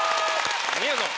みやぞん